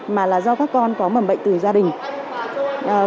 mà là do các con có mầm bệnh từ gia đình